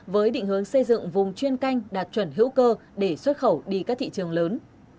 với định hướng xây dựng vùng chuyên canh đạt chuẩn hữu cơ để xuất khẩu đi các thị trường lớn